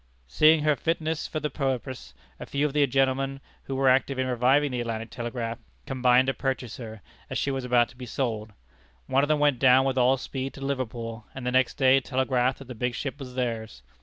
Seeing her fitness for the purpose, a few of the gentlemen who were active in reviving the Atlantic Telegraph combined to purchase her, as she was about to be sold. One of them went down with all speed to Liverpool, and the next day telegraphed that the big ship was theirs.